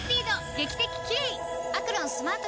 劇的キレイ！